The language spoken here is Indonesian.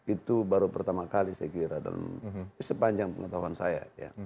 itu baru pertama kali saya kira dan sepanjang pengetahuan saya